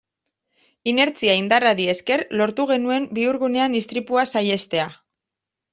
Inertzia indarrari esker lortu genuen bihurgunean istripua saihestea.